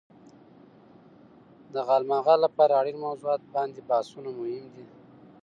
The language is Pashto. د غالمغال لپاره اړين موضوعات باندې بحثونه مهم دي.